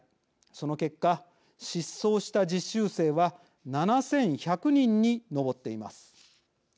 その結果、失踪した実習生は７１００人に上っています。